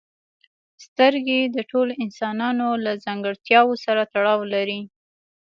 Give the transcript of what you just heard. سترګې د ټولو انسانانو له ځانګړتیاوو سره تړاو لري.